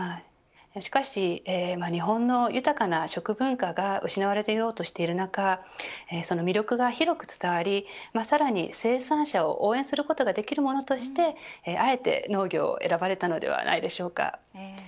しかし、日本の豊かな食文化が失われようとしている中その魅力が広く伝わりさらに生産者を応援することができるものとしてあえて農業を選ばれたのではないでしょうか。